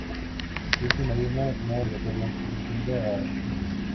Especie marina, no migratoria, asociada a arrecifes.